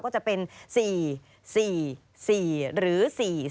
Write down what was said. ก็จะเป็น๔๔๔หรือ๔๔